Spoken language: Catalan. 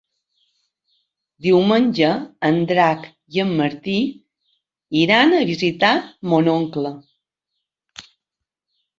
Diumenge en Drac i en Martí iran a visitar mon oncle.